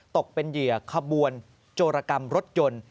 ตกเป็นเหยื่อขบวนโจรกรรมรถยนต์